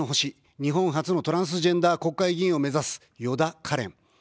日本初のトランスジェンダー国会議員を目指す、よだかれん。